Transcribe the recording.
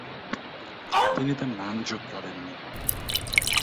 তিনি তার নাম যোগ করেননি।